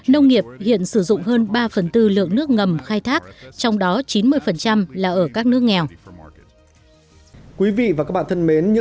nông nghiệp hiện sử dụng hơn ba phần tư lượng nước ngầm khai thác trong đó chín mươi là ở các nước nghèo